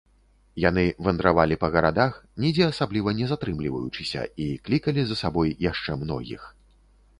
Яны вандравалі па гарадах, нідзе асабліва не затрымліваючыся, і клікалі за сабой яшчэ многіх.